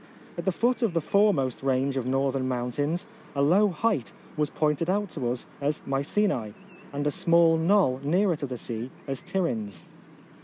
At the foot of the foremost range of northern mountains a low height was pointed out to us as Mycenae, and a small knoll nearer to the sea as Tiryns.